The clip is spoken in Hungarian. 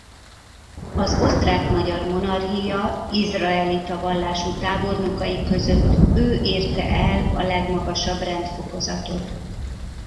Az Osztrák–Magyar Monarchia izraelita vallású tábornokai között ő érte el a legmagasabb rendfokozatot.